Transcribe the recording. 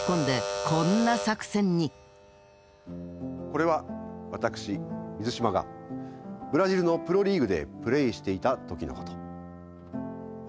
これは私水島がブラジルのプロリーグでプレーしていた時のこと。